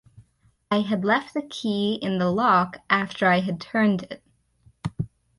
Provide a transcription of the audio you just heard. I had left the key in the lock after I had turned it.